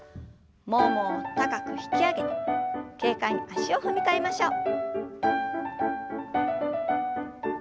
ももを高く引き上げて軽快に足を踏み替えましょう。